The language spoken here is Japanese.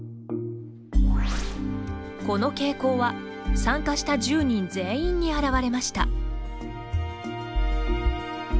この傾向は、参加した１０人全員に表れました。